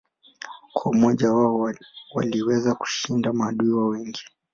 Kwa umoja huo waliweza kushinda maadui wao wengi.